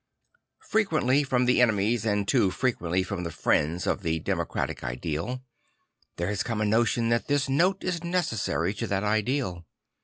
Frequently from the enemies and too frequently from the friends of the democratic ideal, there has come a notion that this note is necessary to that ideal.